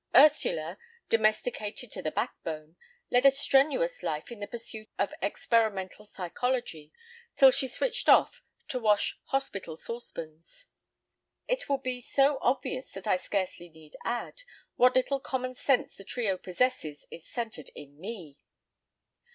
Ursula—domesticated to the backbone—led a strenuous life in the pursuit of experimental psychology, till she switched off to wash hospital saucepans. It will be so obvious that I scarcely need add: What little common sense the trio possesses is centred in ME.